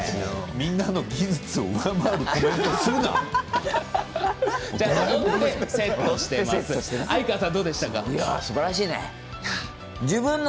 みんなの技術を上回ることを言うな。